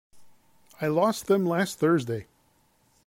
I lost them last Thursday.